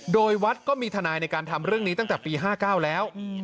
โดยวัดก็มีทนายในการทำเรื่องนี้ตั้งแต่ปี๕๙แล้ว